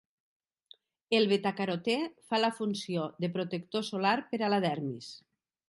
El betacarotè fa la funció de protector solar per a la dermis.